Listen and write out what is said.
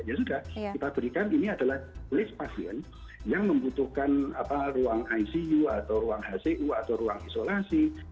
ya sudah kita berikan ini adalah list pasien yang membutuhkan ruang icu atau ruang hcu atau ruang isolasi